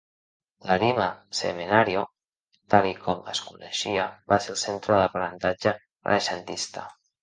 L""Arima Semenario", tal i com es coneixia, va ser el centre de l"aprenentatge renaixentista.